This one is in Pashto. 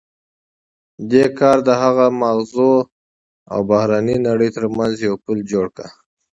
دې کار د هغه د ماغزو او بهرنۍ نړۍ ترمنځ یو پُل جوړ کړ